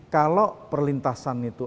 kalau perlintasan itu